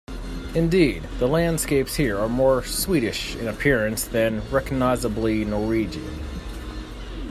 Indeed, the landscapes here are more Swedish in appearance than recognisably Norwegian.